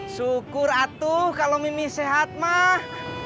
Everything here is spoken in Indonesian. syukur atuh kalau mimi sehat mah